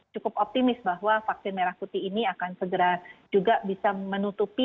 cukup optimis bahwa vaksin merah putih ini akan segera juga bisa menutupi